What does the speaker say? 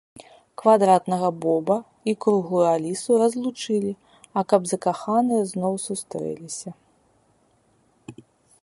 Квадратнага Боба і круглую Алісу разлучылі, а каб закаханыя зноў сустрэліся